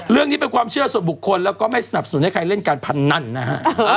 เรื่องนี้เป็นความเชื่อส่วนบุคคลแล้วก็ไม่สนับสนุนให้ใครเล่นการพนันนะฮะ